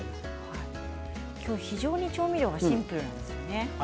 今日は非常に調味料がシンプルなんですね。